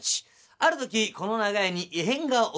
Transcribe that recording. ある時この長屋に異変が起きる。